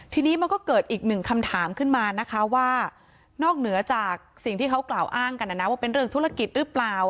ธุรกิจนั้นเขาต่างคนต่างทำอยู่แล้ว